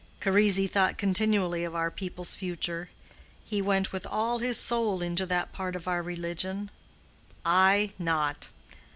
Charisi thought continually of our people's future: he went with all his soul into that part of our religion: I, not.